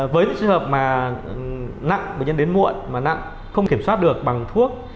với những trường hợp nặng mà đến muộn mà nặng không kiểm soát được bằng thuốc